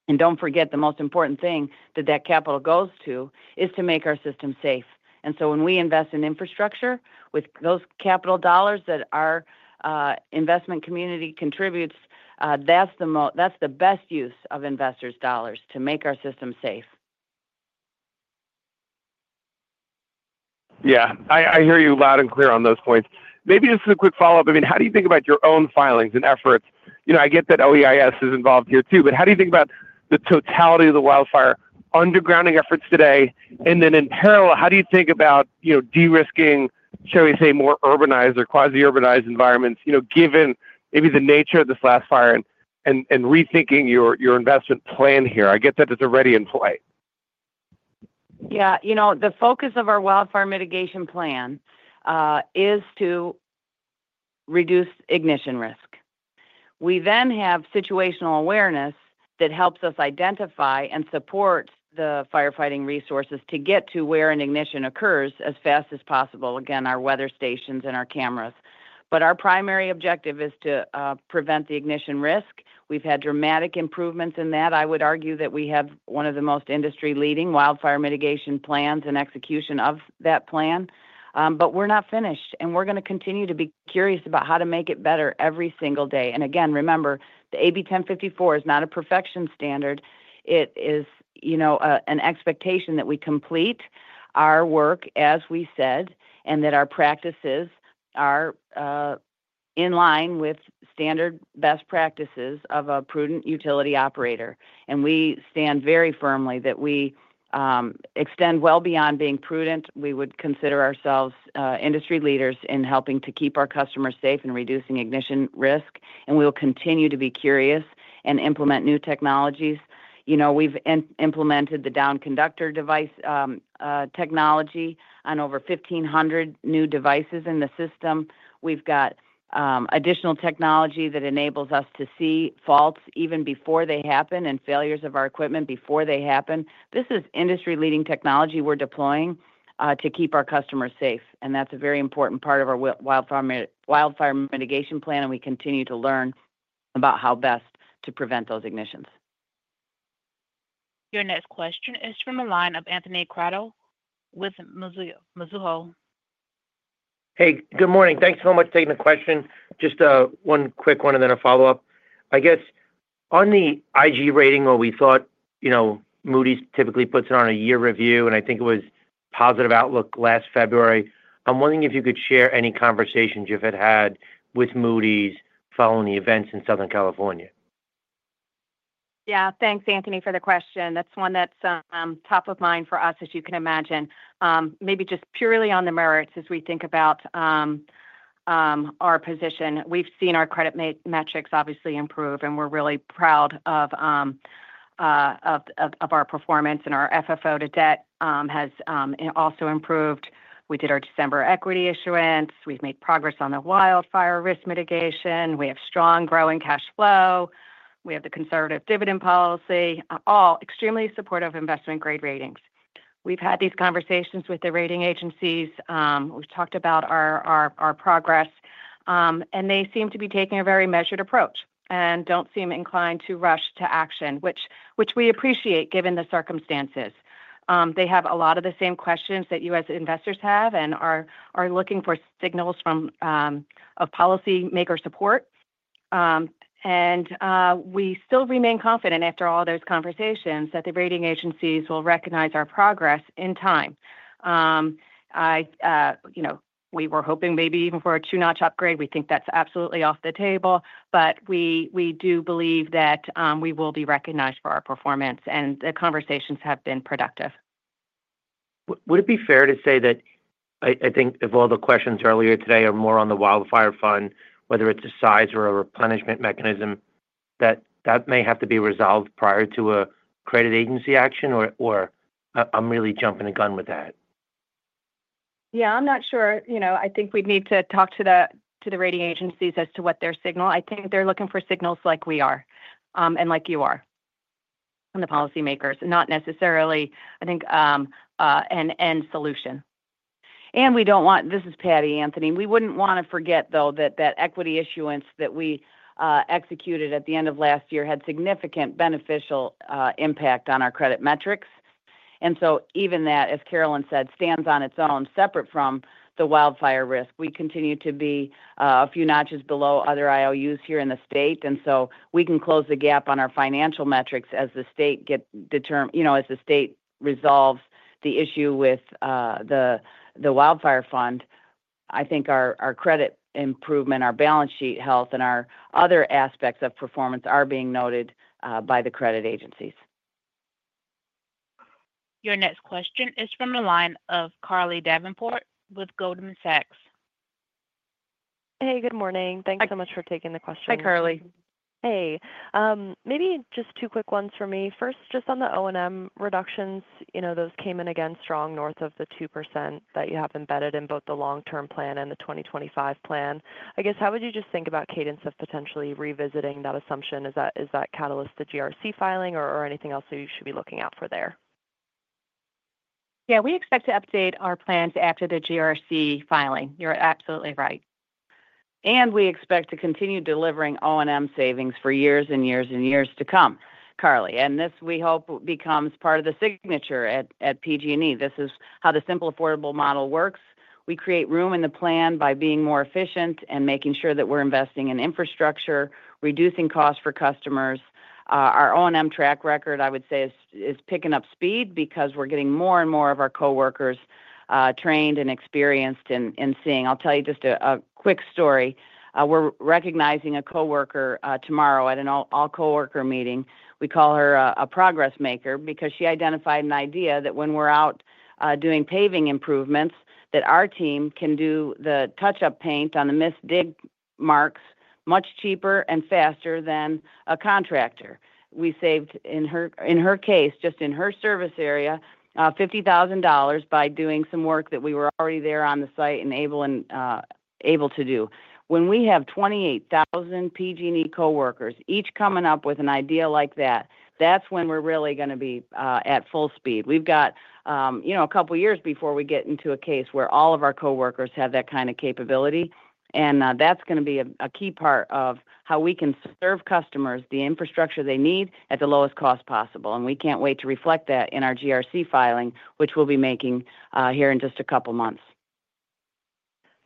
and don't forget, the most important thing that that capital goes to is to make our system safe, and so when we invest in infrastructure with those capital dollars that our investment community contributes, that's the best use of investors' dollars to make our system safe.
Yeah. I hear you loud and clear on those points. Maybe just a quick follow-up. I mean, how do you think about your own filings and efforts? You know, I get that OEIS is involved here too, but how do you think about the totality of the wildfire undergrounding efforts today? And then in parallel, how do you think about de-risking, shall we say, more urbanized or quasi-urbanized environments, given maybe the nature of this last fire and rethinking your investment plan here? I get that it's already in play.
Yeah. You know, the focus of our wildfire mitigation plan is to reduce ignition risk. We then have situational awareness that helps us identify and support the firefighting resources to get to where an ignition occurs as fast as possible. Again, our weather stations and our cameras. But our primary objective is to prevent the ignition risk. We've had dramatic improvements in that. I would argue that we have one of the most industry-leading wildfire mitigation plans and execution of that plan, but we're not finished, and we're going to continue to be curious about how to make it better every single day, and again, remember, the AB 1054 is not a perfection standard. It is an expectation that we complete our work as we said and that our practices are in line with standard best practices of a prudent utility operator, and we stand very firmly that we extend well beyond being prudent. We would consider ourselves industry leaders in helping to keep our customers safe and reducing ignition risk, and we'll continue to be curious and implement new technologies. You know, we've implemented the down conductor device technology on over 1,500 new devices in the system. We've got additional technology that enables us to see faults even before they happen and failures of our equipment before they happen. This is industry-leading technology we're deploying to keep our customers safe. And that's a very important part of our wildfire mitigation plan, and we continue to learn about how best to prevent those ignitions.
Your next question is from the line of Anthony Crowdell with Mizuho.
Hey, good morning. Thanks so much for taking the question. Just one quick one and then a follow-up. I guess on the IG rating, we thought Moody's typically puts it on a year review, and I think it was positive outlook last February. I'm wondering if you could share any conversations you've had with Moody's following the events in Southern California.
Yeah. Thanks, Anthony, for the question. That's one that's top of mind for us, as you can imagine. Maybe just purely on the merits as we think about our position. We've seen our credit metrics obviously improve, and we're really proud of our performance, and our FFO to debt has also improved. We did our December equity issuance. We've made progress on the wildfire risk mitigation. We have strong growing cash flow. We have the conservative dividend policy, all extremely supportive of investment-grade ratings. We've had these conversations with the rating agencies. We've talked about our progress, and they seem to be taking a very measured approach and don't seem inclined to rush to action, which we appreciate given the circumstances. They have a lot of the same questions that you as investors have and are looking for signals from policymaker support. We still remain confident, after all those conversations, that the rating agencies will recognize our progress in time. We were hoping maybe even for a two-notch upgrade. We think that's absolutely off the table, but we do believe that we will be recognized for our performance, and the conversations have been productive.
Would it be fair to say that I think of all the questions earlier today are more on the Wildfire Fund, whether it's a size or a replenishment mechanism, that that may have to be resolved prior to a credit agency action, or I'm really jumping the gun with that?
Yeah. I'm not sure. You know, I think we'd need to talk to the rating agencies as to what their signal. I think they're looking for signals like we are and like you are from the policymakers, not necessarily, I think, an end solution. And we don't want - this is petty, Anthony. We wouldn't want to forget, though, that that equity issuance that we executed at the end of last year had significant beneficial impact on our credit metrics. And so even that, as Carolyn said, stands on its own separate from the wildfire risk. We continue to be a few notches below other IOUs here in the state, and so we can close the gap on our financial metrics as the state gets, you know, as the state resolves the issue with the Wildfire Fund. I think our credit improvement, our balance sheet health, and our other aspects of performance are being noted by the credit agencies.
Your next question is from the line of Carly Davenport with Goldman Sachs.
Hey, good morning. Thanks so much for taking the question.
Hi, Carly.
Hey. Maybe just two quick ones for me. First, just on the O&M reductions, you know, those came in again strong north of the 2% that you have embedded in both the long-term plan and the 2025 plan. I guess, how would you just think about cadence of potentially revisiting that assumption? Is that catalyst the GRC filing or anything else that you should be looking out for there?
Yeah. We expect to update our plans after the GRC filing. You're absolutely right. And we expect to continue delivering O&M savings for years and years and years to come, Carly. And this we hope becomes part of the signature at PG&E. This is how the Simple Affordable Model works. We create room in the plan by being more efficient and making sure that we're investing in infrastructure, reducing costs for customers. Our O&M track record, I would say, is picking up speed because we're getting more and more of our coworkers trained and experienced in seeing. I'll tell you just a quick story. We're recognizing a coworker tomorrow at an all-coworker meeting. We call her a Progress Maker because she identified an idea that when we're out doing paving improvements, that our team can do the touch-up paint on the MISS DIG marks much cheaper and faster than a contractor. We saved, in her case, just in her service area, $50,000 by doing some work that we were already there on the site and able to do. When we have 28,000 PG&E coworkers each coming up with an idea like that, that's when we're really going to be at full speed. We've got a couple of years before we get into a case where all of our coworkers have that kind of capability. And that's going to be a key part of how we can serve customers the infrastructure they need at the lowest cost possible. And we can't wait to reflect that in our GRC filing, which we'll be making here in just a couple of months.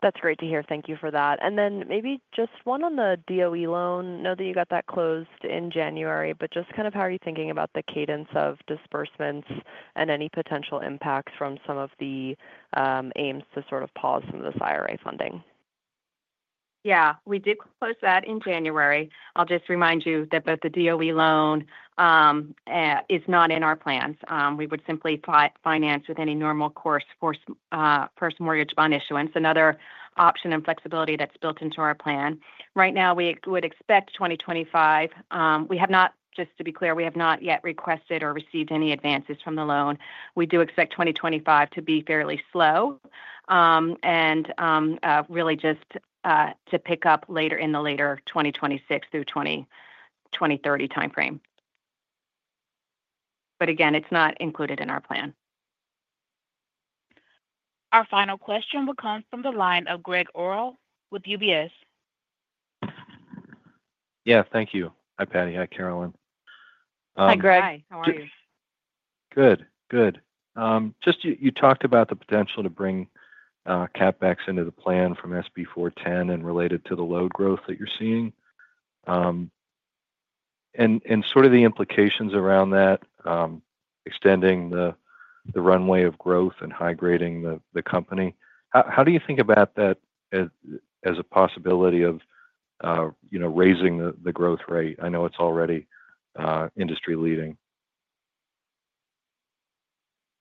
That's great to hear. Thank you for that. And then maybe just one on the DOE loan. I know that you got that closed in January, but just kind of how are you thinking about the cadence of disbursements and any potential impacts from some of the aims to sort of pause some of this IRA funding?
Yeah. We did close that in January. I'll just remind you that both the DOE loan is not in our plans. We would simply finance with any normal course for mortgage bond issuance, another option and flexibility that's built into our plan. Right now, we would expect 2025. We have not, just to be clear, we have not yet requested or received any advances from the loan. We do expect 2025 to be fairly slow and really just to pick up later in the later 2026 through 2030 timeframe. But again, it's not included in our plan.
Our final question will come from the line of Greg Orrill with UBS. Yeah.
Thank you. Hi, Patti. Hi, Carolyn. Hi, Greg. Hi. How are you? Good. Good. You just talked about the potential to bring CapEx into the plan from SB 410 and related to the load growth that you're seeing and sort of the implications around that, extending the runway of growth and high-grading the company. How do you think about that as a possibility of raising the growth rate? I know it's already industry-leading.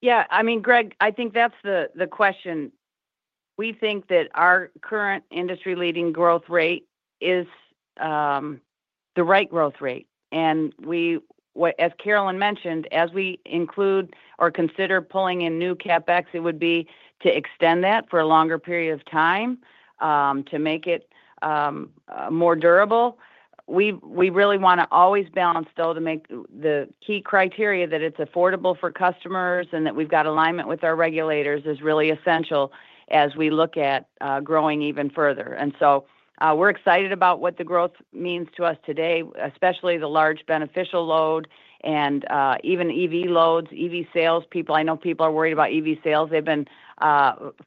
Yeah. I mean, Greg, I think that's the question. We think that our current industry-leading growth rate is the right growth rate. And as Carolyn mentioned, as we include or consider pulling in new CapEx, it would be to extend that for a longer period of time to make it more durable. We really want to always balance, though, to make the key criteria that it's affordable for customers and that we've got alignment with our regulators is really essential as we look at growing even further. And so we're excited about what the growth means to us today, especially the large beneficial load and even EV loads, EV sales. People, I know people are worried about EV sales. They've been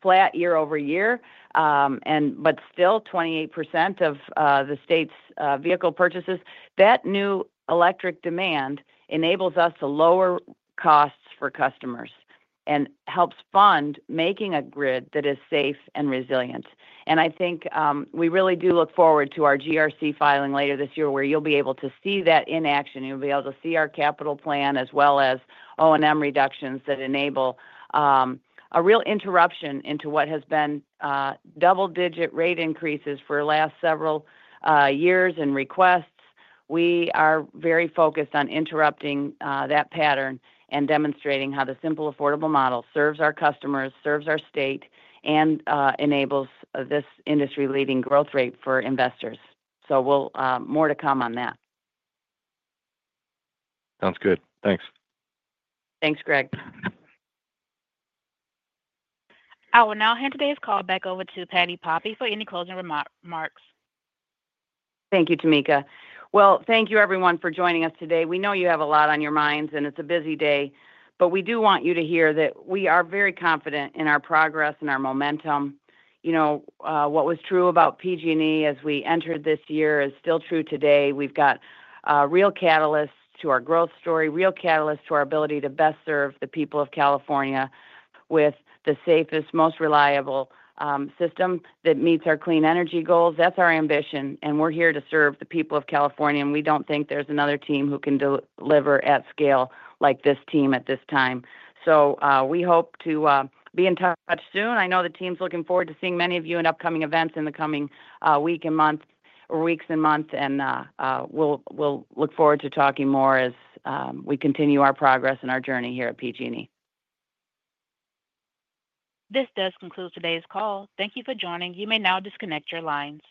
flat year over year, but still 28% of the state's vehicle purchases. That new electric demand enables us to lower costs for customers and helps fund making a grid that is safe and resilient, and I think we really do look forward to our GRC filing later this year where you'll be able to see that in action. You'll be able to see our capital plan as well as O&M reductions that enable a real interruption into what has been double-digit rate increases for the last several years and requests. We are very focused on interrupting that pattern and demonstrating how the simple affordable model serves our customers, serves our state, and enables this industry-leading growth rate for investors. So more to come on that.
Sounds good. Thanks.
Thanks, Greg.
I will now hand today's call back over to Patti Poppe for any closing remarks. Thank you, Tameka.
Thank you, everyone, for joining us today. We know you have a lot on your minds, and it's a busy day, but we do want you to hear that we are very confident in our progress and our momentum. You know, what was true about PG&E as we entered this year is still true today. We've got real catalysts to our growth story, real catalysts to our ability to best serve the people of California with the safest, most reliable system that meets our clean energy goals. That's our ambition, and we're here to serve the people of California, and we don't think there's another team who can deliver at scale like this team at this time. We hope to be in touch soon. I know the team's looking forward to seeing many of you in upcoming events in the coming week and month or weeks and months, and we'll look forward to talking more as we continue our progress and our journey here at PG&E.
This does conclude today's call. Thank you for joining. You may now disconnect your lines.